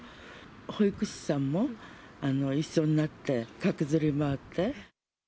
保育士さんも一緒になって駆けずり回って。